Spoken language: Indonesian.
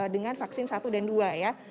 dengan vaksin satu dan dua ya